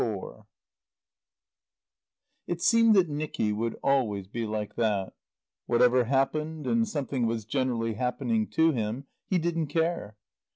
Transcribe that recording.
IV It seemed that Nicky would always be like that. Whatever happened, and something was generally happening to him, he didn't care.